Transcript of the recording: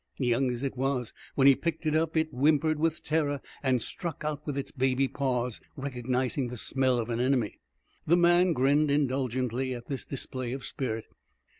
Young as it was, when he picked it up, it whimpered with terror and struck out with its baby paws, recognizing the smell of an enemy. The man grinned indulgently at this display of spirit.